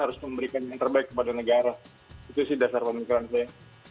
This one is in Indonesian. harus memberikan yang terbaik kepada negara itu sih dasar pemikiran saya